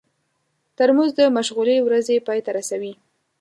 ترموز د مشغولې ورځې پای ته رسوي.